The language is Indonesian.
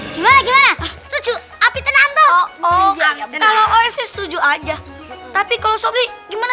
gimana gimana setuju api tenang toh oh kalau setuju aja tapi kalau sobat gimana